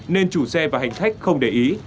nên chủ xe và hành khách không để ý